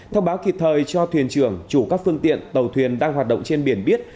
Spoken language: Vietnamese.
thông báo kịp thời cho thuyền trưởng chủ các phương tiện tàu thuyền đang hoạt động trên biển biết